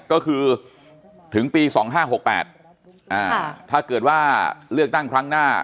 ก็คือถึงปี๒๕๖๘ถ้าเกิดว่าเลือกตั้งครั้งหน้า